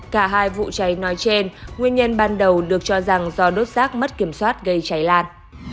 cả hai vụ cháy nói trên nguyên nhân ban đầu được cho rằng do đốt rác mất kiểm soát gây cháy lan